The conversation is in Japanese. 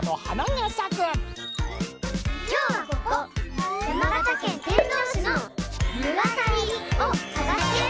・きょうはここ山形県天童市の「むがさり」をさがして。